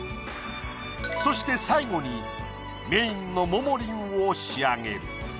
そして最後にメインのももりんを仕上げる。